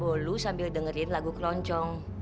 bolu sambil dengerin lagu keroncong